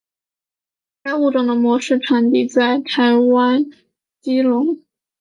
该物种的模式产地在台湾基隆。